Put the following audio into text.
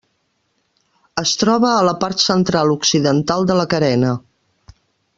Es troba a la part central-occidental de la carena.